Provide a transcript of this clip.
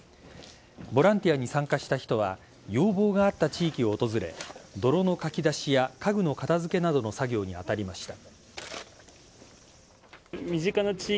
ボランティアに参加した人は要望があった地域を訪れ泥のかき出しや家具の片付けなどの作業に当たりました。